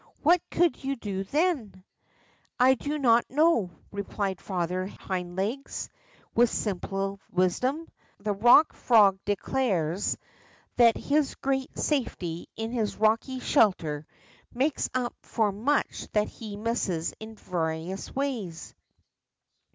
What could you do then ?" I do not know," replied Father Hind Legs, with simple wisdom. The Eock Frog declares 76 THE BOCK FROG that his great safety in his rocky shelter makes up for much that he misses in various ways.